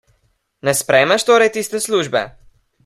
Ne sprejmeš torej tiste službe?